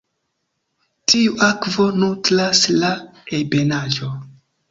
Tiu akvo nutras la ebenaĵo.